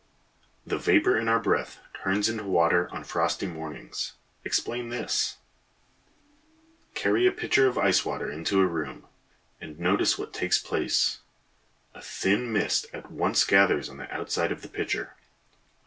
The vapor in our breath turns into water on frosty mornings. Explain this. Carry a pitcher of ice water into a room, and notice what takes place. A thin mist at once gathers on the outside of the pitcher.